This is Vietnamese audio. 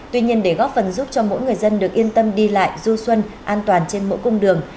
tuy nhiên để góp phần giúp cho mỗi người dân được yên tâm đi lại du xuân an toàn trên mỗi cung đường